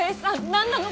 何なの？